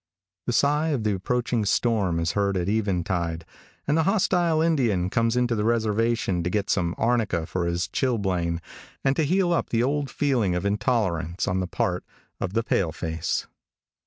The sigh of the approaching storm is heard at eventide, and the hostile Indian comes into the reservation to get some arnica for his chilblain, and to heal up the old feeling of intolerance on the part, of the pale face.